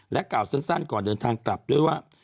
กล่าวสั้นก่อนเดินทางกลับด้วยว่า